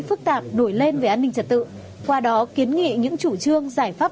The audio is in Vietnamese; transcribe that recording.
phức tạp nổi lên về an ninh trật tự qua đó kiến nghị những chủ trương giải pháp